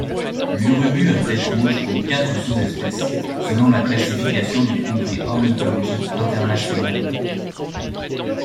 L'Urubu à tête rouge compte quatre sous-espèces, selon la classification du Congrès ornithologique international.